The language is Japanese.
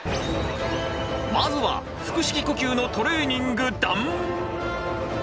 まずは腹式呼吸のトレーニングだん！